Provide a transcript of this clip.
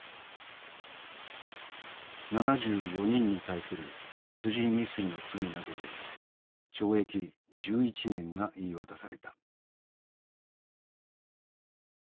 ７４人に対する殺人未遂の罪などで懲役１１年が言い渡された。